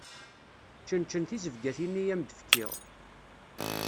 Čenčen tizebgatin i am-d-fkiɣ.